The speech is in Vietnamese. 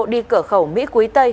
đi cửa khẩu mỹ quý tây